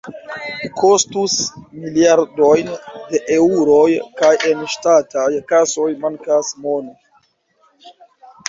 Kostus miliardojn da eŭroj, kaj en ŝtataj kasoj mankas mono.